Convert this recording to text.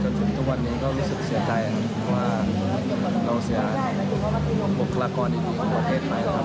จนมาจนฝึกช่วงวันนี้ก็รู้สึกเสียใจว่าเราเสียบองราค้าก่อนอีก๖เฮต๗๕๐๐๐๙๐๐๙๐๐๙๐๐๑นะครับ